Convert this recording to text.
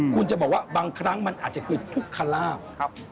คุณจะบอกว่าบางครั้งมันอาจจะคือทุกขลาบ